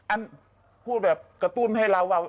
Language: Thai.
พูดแบบกระตุ้นให้เราว่า